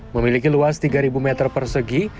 memiliki luas tiga meter persegi